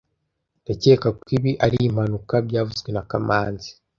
Ndakeka ko ibi ari impanuka byavuzwe na kamanzi